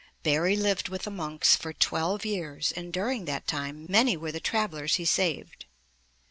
Barry lived with the monks for twelve years and during that time, many were the travelers he saved.